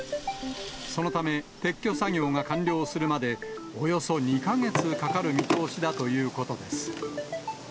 そのため、撤去作業が完了するまでおよそ２か月かかる見通しだということです。